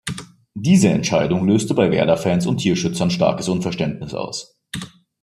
Diese Entscheidung löste bei Werder-Fans und Tierschützern starkes Unverständnis aus.